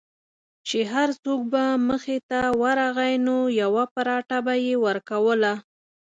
چې هر څوک به مخې ته ورغی نو یوه پراټه به یې ورکوله.